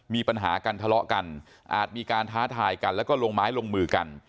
มีปัญหากันทะเลาะกันอาจมีการท้าทายกันแล้วก็ลงไม้ลงมือกัน